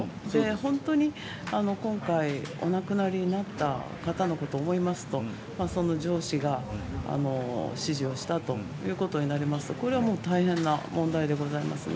本当に今回、お亡くなりになった方のことを思いますとその上司が指示をしたということになりますと、これはもう大変な問題でございますね。